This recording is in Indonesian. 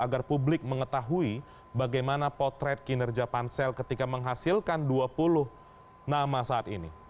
agar publik mengetahui bagaimana potret kinerja pansel ketika menghasilkan dua puluh nama saat ini